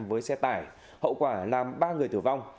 với xe tải hậu quả làm ba người tử vong